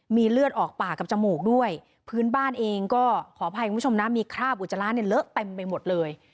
มีเลือดออกปากกับจมูกด้วยพื้นบ้านเองก็ขออภัยคุณผู้ชมนะมีคราบอุจจาระเนี่ยเลอะเต็มไปหมดเลย